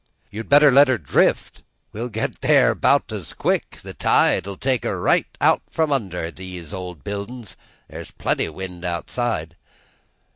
"You better let her drift; we'll get there 'bout as quick; the tide'll take her right out from under these old buildin's; there's plenty wind outside."